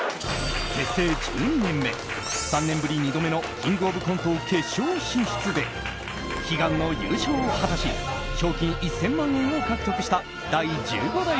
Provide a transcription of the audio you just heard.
結成１２年目３年ぶり２度目の「キングオブコント」決勝進出で悲願の優勝を果たし賞金１０００万円を獲得した第１５代